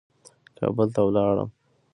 کابل ته ولاړم.